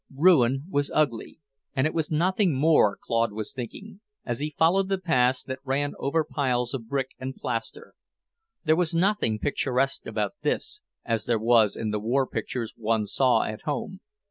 Ruin was ugly, and it was nothing more, Claude was thinking, as he followed the paths that ran over piles of brick and plaster. There was nothing picturesque about this, as there was in the war pictures one saw at home.